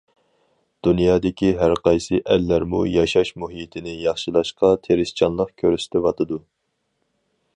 دۇنيادىكى ھەر قايسى ئەللەرمۇ ياشاش مۇھىتىنى ياخشىلاشقا تىرىشچانلىق كۆرسىتىۋاتىدۇ.